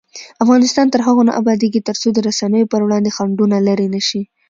افغانستان تر هغو نه ابادیږي، ترڅو د رسنیو پر وړاندې خنډونه لیرې نشي.